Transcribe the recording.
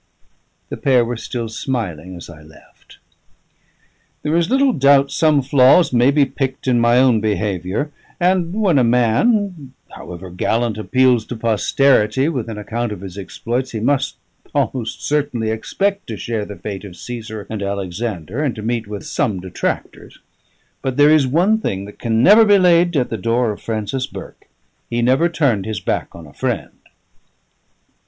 The pair were still smiling as I left. There is little doubt some flaws may be picked in my own behaviour; and when a man, however gallant, appeals to posterity with an account of his exploits, he must almost certainly expect to share the fate of Caesar and Alexander, and to meet with some detractors. But there is one thing that can never be laid at the door of Francis Burke: he never turned his back on a friend....